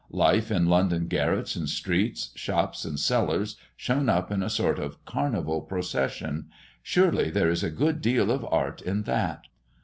Life in London garrets and streets, shops and cellars, shown up in a sort of carnival procession surely there is a good deal of art in that!